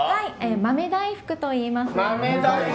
豆大福といいます。